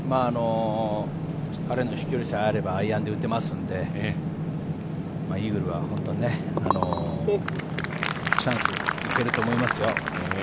彼の飛距離さえあればアイアンで打てますので、イーグルはチャンス、行けると思いますよ。